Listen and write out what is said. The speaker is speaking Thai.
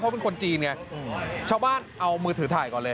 เพราะเป็นคนจีนไงชาวบ้านเอามือถือถ่ายก่อนเลย